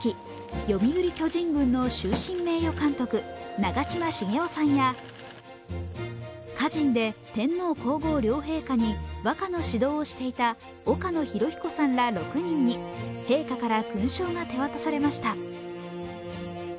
読売巨人軍の終身名誉監督・長嶋茂雄さんや、歌人で天皇皇后両陛下に和歌の指導をしていた岡野さんら６人に陛下から勲章が手渡されました。